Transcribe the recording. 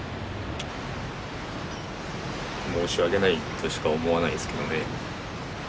申し訳ないとしか思わないですけどね。